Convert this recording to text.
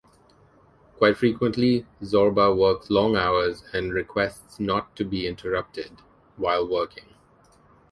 Quite frequently Zorba works long hours and requests not to be interrupted while working.